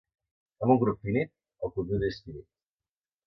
Amb un grup finit, el conjunt és finit.